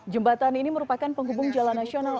jembatan ini merupakan penghubung jalan nasional